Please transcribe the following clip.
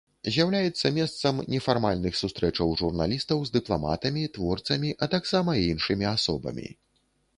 З'яўляецца месцам нефармальных сустрэчаў журналістаў з дыпламатамі, творцамі, а таксама іншымі асобамі.